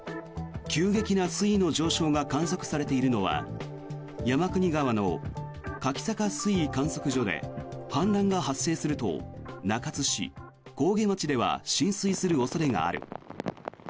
急激な水位の上昇が観測されているのは山国川の柿坂水位観測所で氾濫が発生すると中津市では浸水する恐れがある。